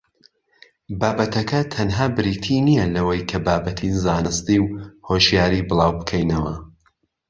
بابەتەکە تەنها بریتی نییە لەوەی کە بابەتی زانستی و هۆشیاری بڵاوبکەینەوە